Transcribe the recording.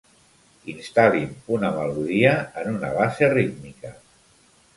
Instal·lin una melodia en una base rítmica.